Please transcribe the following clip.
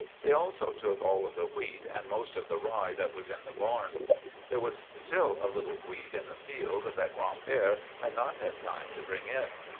They also took all of the wheat and most of the rye that was in the barn. There was still a little wheat in the field that Gran'père had not had time to bring in.